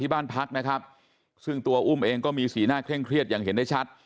บ้านพักนะครับซึ่งตัวอุ้มเองก็มีสีหน้าเคร่งเครียดอย่างเห็นได้ชัด